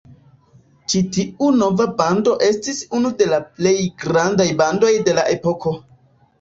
Ĉi tiu nova bando estis unu de la plej grandaj bandoj de la epoko.